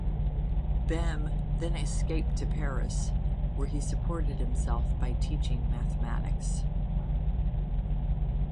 Bem then escaped to Paris, where he supported himself by teaching mathematics.